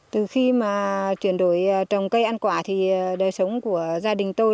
từ khi mà chuyển đổi trồng cây ăn quả thì đời sống của gia đình tôi